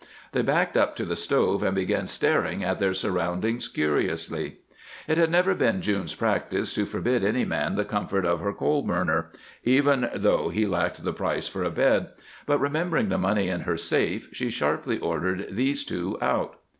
They backed up to the stove and began staring at their surroundings curiously. It had never been June's practice to forbid any man the comfort of her coal burner, even though he lacked the price for a bed, but, remembering the money in her safe, she sharply ordered these two out.